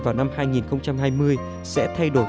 vào năm hai nghìn hai mươi sẽ thay đổi